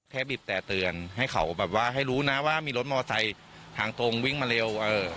บีบแต่เตือนให้เขาแบบว่าให้รู้นะว่ามีรถมอไซค์ทางตรงวิ่งมาเร็ว